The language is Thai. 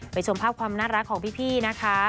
ชมภาพความน่ารักของพี่นะคะ